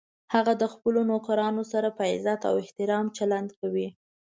هغه د خپلو نوکرانو سره په عزت او احترام چلند کوي